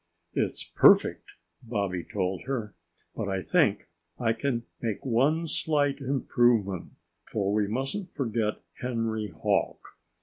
"It's perfect!" Bobby told her. "But I think I can make one slight improvement, for we mustn't forget Henry Hawk."